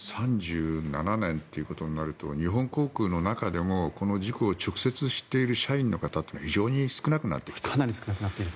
３７年ということになると日本航空の中でもこの事故を直接知っているという従業員の方も非常に少なくなってきている。